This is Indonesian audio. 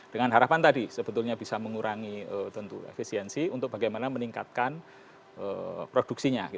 dengan harapan tadi sebetulnya bisa mengurangi tentu efisiensi untuk bagaimana meningkatkan produksinya